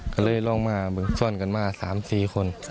ก็เลยลองมาซ่อนกันมา๓๔คน